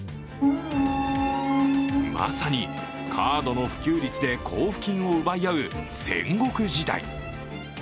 まさに、カードの普及率で交付金を奪い合う戦国時代。